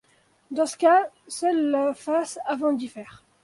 Dans ce cas, seule la face avant diffère.